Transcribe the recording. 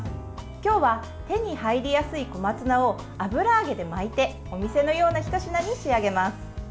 今日は手に入りやすい小松菜を油揚げで巻いてお店のようなひと品に仕上げます。